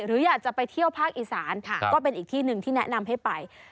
หรืออยากจะไปเที่ยวภาคอีสานก็เป็นอีกที่หนึ่งที่แนะนำให้ไป